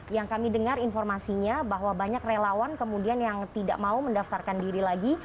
yang kami dengar informasinya bahwa banyak relawan kemudian yang tidak mau mendaftarkan diri lagi